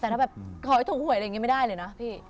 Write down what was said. หากเค้าอยู่ทุกขุมห่วยอย่างงี้ไม่ได้เลยนะพี่